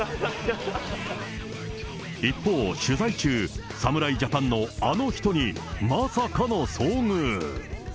一方、取材中、侍ジャパンのあの人に、まさかの遭遇。